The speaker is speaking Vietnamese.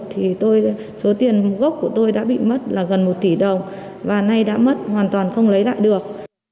thì số tiền gốc của tôi đã bị mất là gần một tỷ đồng và nay đã mất hoàn toàn không lấy lại được